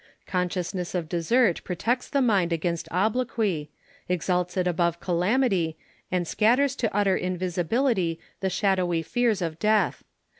Con sciousness of desert protects the mind against obloquy, exalts it above calamity, and scatters into utter invisibility the shadowy fears of death.